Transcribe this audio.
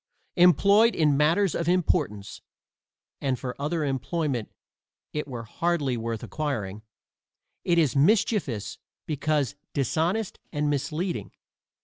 Employed in matters of importance (and for other employment it were hardly worth acquiring) it is mischievous because dishonest and misleading.